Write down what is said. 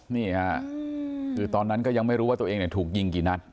นี่ค่ะคือตอนนั้นก็ยังไม่รู้ว่าตัวเองถูกยิงกี่นัด